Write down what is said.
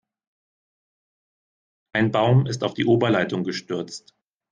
Ein Baum ist auf die Oberleitung gestürzt.